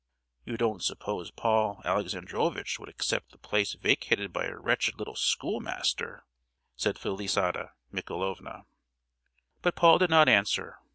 "You don't suppose Paul Alexandrovitch would accept the place vacated by a wretched little schoolmaster!" said Felisata Michaelovna. But Paul did not answer.